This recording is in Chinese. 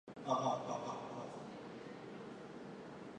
卡纳是位于美国加利福尼亚州比尤特县的一个非建制地区。